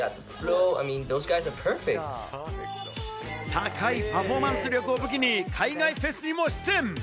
高いパフォーマンス力を武器に、海外フェスにも出演。